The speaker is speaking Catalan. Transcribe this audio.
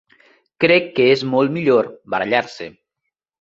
Crec que és molt millor barallar-se.